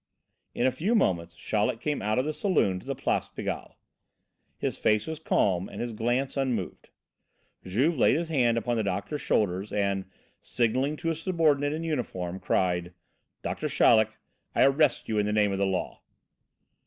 In a few moments Chaleck came out of the saloon to the Place Pigalle. His face was calm and his glance unmoved. Juve laid his hand upon the doctor's shoulder, and, signalling to a subordinate in uniform, cried: "Doctor Chaleck, I arrest you in the name of the law."